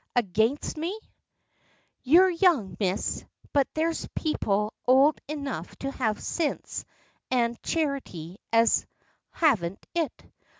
"Against me?" "You're young, Miss. But there's people ould enough to have sinse an' charity as haven't it.